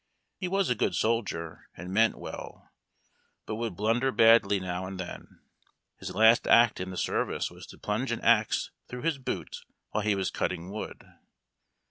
He was a good soldier and meant well, but would blun der badly now and then. His last act in the service was to plunge an axe tln ough his boot while he was cutting wood.